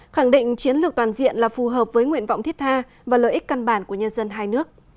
khẳng định chiến lược toàn diện là phù hợp với nguyện vọng thiết tha và lợi ích căn bản của nhân dân hai nước